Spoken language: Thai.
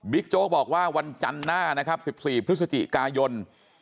โจ๊กบอกว่าวันจันทร์หน้านะครับ๑๔พฤศจิกายน